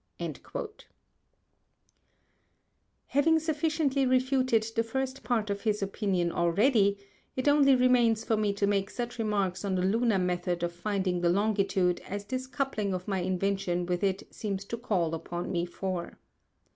ŌĆØ Having sufficiently refuted the first Part of this Opinion already, it only remains for me to make such Remarks on the Lunar Method of finding the Longitude, as this coupling of my Invention with it seems to call upon me for.